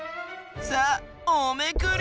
さあおめくり。